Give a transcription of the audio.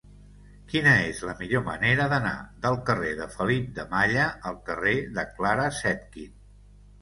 Quina és la millor manera d'anar del carrer de Felip de Malla al carrer de Clara Zetkin?